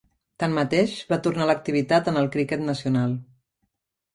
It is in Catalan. Tanmateix, va tornar a l'activitat en el criquet nacional.